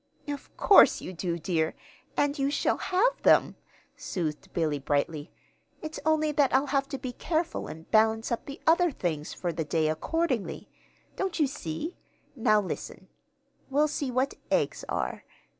"Of course you do, dear; and you shall have them," soothed Billy, brightly. "It's only that I'll have to be careful and balance up the other things for the day accordingly. Don't you see? Now listen. We'll see what eggs are."